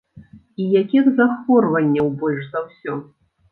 І якіх захворванняў больш за ўсё?